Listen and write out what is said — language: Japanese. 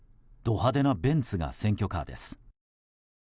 派手なベンツが選挙カーです。